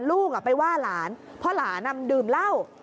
ลูกไปว่าหลานเพราะหลานดื่มเหล้า